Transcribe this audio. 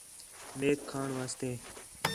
میک کھاݨ واسطے